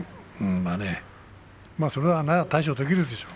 まあそれも対処できるでしょう。